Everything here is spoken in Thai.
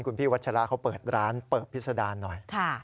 คุณพี่วัชราเขาเปิดร้านเปิดพิษดารหน่อย